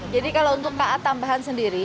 jadi kalau untuk ka tambahan sendiri